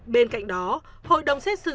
bên cạnh đó hội đồng xét xử